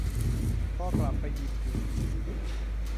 รอกลับไปยิมจริง